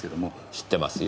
知ってますよ。